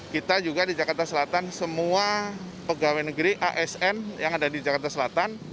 kita juga di jakarta selatan semua pegawai negeri asn yang ada di jakarta selatan